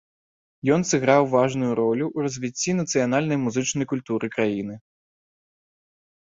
Ён сыграў важную ролю ў развіцці нацыянальнай музычнай культуры краіны.